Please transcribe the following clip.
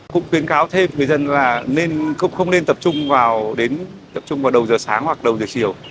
cũng khuyên cáo thêm người dân là không nên tập trung vào đầu giờ sáng hoặc đầu giờ chiều